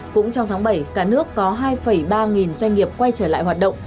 cũng trong tháng bảy cả nước có hai ba nghìn doanh nghiệp quay trở lại hoạt động